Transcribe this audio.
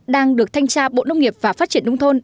đang được thanh trà bộ nông nghiệp và phát triển đông thôn